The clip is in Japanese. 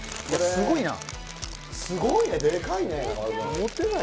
すごいな。